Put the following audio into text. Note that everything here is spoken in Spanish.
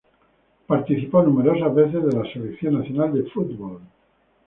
Participó numerosas veces de la Selección Nacional de Fútbol.